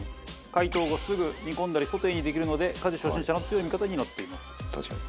解凍後すぐ煮込んだりソテーにできるので家事初心者の強い味方になっています。